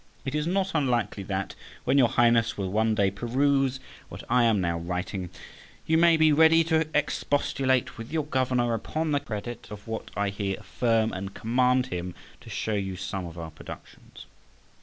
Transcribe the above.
It is not unlikely that, when your Highness will one day peruse what I am now writing, you may be ready to expostulate with your governor upon the credit of what I here affirm, and command him to show you some of our productions.